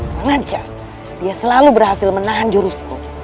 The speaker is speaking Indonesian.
tanganca dia selalu berhasil menahan jurusku